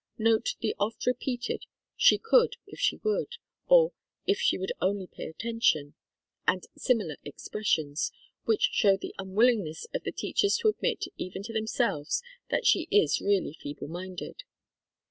Note the oft repeated " She could if she would, " or " If she would only pay attention," and similar expressions, which show the unwillingness of the teachers to admit even to themselves that she is really feeble minded.